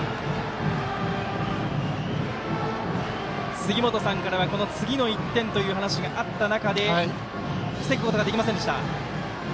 杉本さんからは次の１点という話があった中で防ぐことはできませんでした。